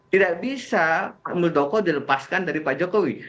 tidak bisa muldoko dilepaskan dari pak jokowi